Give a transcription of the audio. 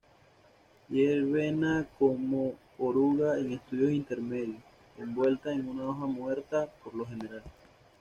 Hiberna como oruga en estadios intermedios, envuelta en una hoja muerta, por lo general.